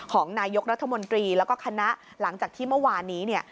ของนายกรัฐมนตรีแล้วก็คณะหลังจากที่เมื่อวานนี้เนี่ย